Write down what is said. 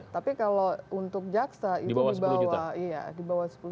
tapi kalau untuk jaksa itu di bawah sepuluh